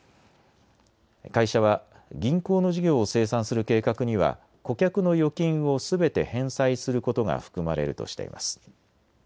会社は銀行の事業を清算する計画には顧客の預金をすべて返済することが含まれるとしています。